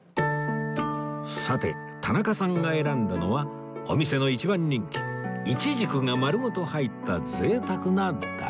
さて田中さんが選んだのはお店の一番人気無花果が丸ごと入った贅沢な大福